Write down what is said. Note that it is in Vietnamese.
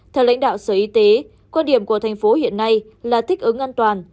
theo lãnh đạo sở y tế quan điểm của thành phố hiện nay là thích ứng an toàn